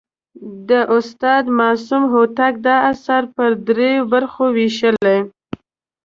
د استاد معصوم هوتک دا اثر پر درې برخو ویشلی.